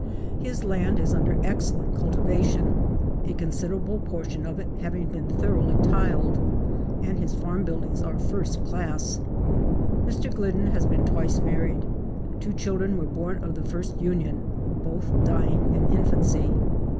His land is under excellent cultivation, a considerable portion of it having been thoroughly tiled, and his farm buildings are first class. Mr. Glidden has been twice married. Two children were born of the first union, both dying in infancy.